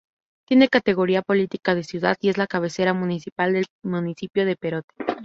Tiene categoría política de ciudad y es la cabecera municipal del municipio de Perote.